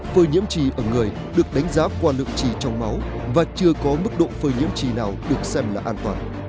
phơi nhiễm trì ở người được đánh giá qua lượng trì trong máu và chưa có mức độ phơi nhiễm trì nào được xem là an toàn